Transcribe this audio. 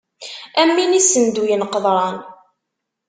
Am win issenduyen qeḍran.